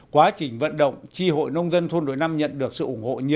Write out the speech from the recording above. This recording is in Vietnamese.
quá trình vận động tri hội nông dân thôn đội năm nhận được sự ủng hộ nhiều